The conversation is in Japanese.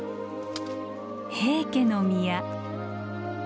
平家之宮。